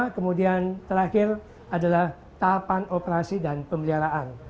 kemudian terakhir adalah tahapan operasi dan pemeliharaan